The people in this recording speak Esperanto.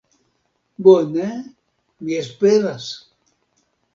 Bone, mi esperas.